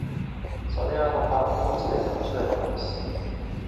それはまた、ほぼ常に面白いものです。